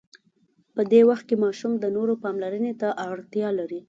په دې وخت کې ماشوم د نورو پاملرنې ته اړتیا لري.